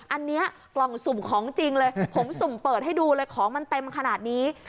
อันนี้กล่องสุ่มของจริงเลยผมสุ่มเปิดให้ดูเลยของมันเต็มขนาดนี้